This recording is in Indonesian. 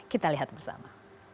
kita lihat bersama